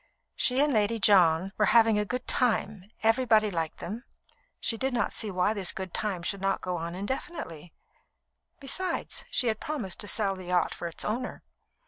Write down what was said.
She and Lady John were having a "good time," everybody liked them, and she did not see why this good time should not go on indefinitely. Besides, she had promised to sell the yacht for its owner.